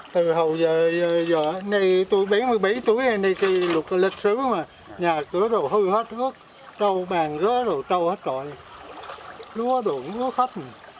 từ hầu giờ tôi bảy mươi bảy tuổi lịch sử nhà cửa đều hư hết trâu bàn rớt trâu hết rồi lúa đủ lúa khắp